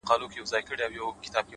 • مسافر ليونى ـ